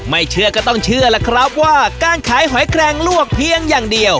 เชื่อก็ต้องเชื่อล่ะครับว่าการขายหอยแครงลวกเพียงอย่างเดียว